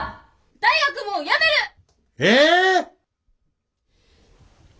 大学もうやめる！ええ！？